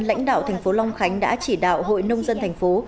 lãnh đạo thành phố long khánh đã chỉ đạo hội nông dân thành phố